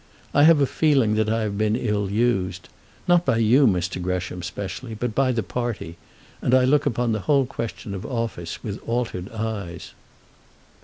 I have a feeling that I have been ill used, not by you, Mr. Gresham, specially, but by the party; and I look upon the whole question of office with altered eyes."